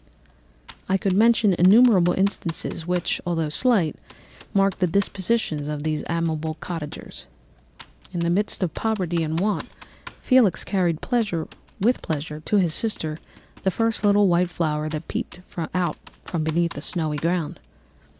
"I could mention innumerable instances which, although slight, marked the dispositions of these amiable cottagers. In the midst of poverty and want, Felix carried with pleasure to his sister the first little white flower that peeped out from beneath the snowy ground.